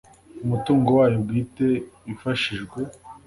umutungo wayo bwite ifashijwe